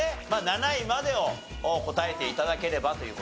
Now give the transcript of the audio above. ７位までを答えて頂ければという事なんでね。